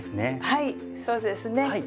はいそうですね。